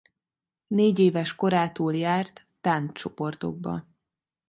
Négyéves korától járt tánccsoportokba.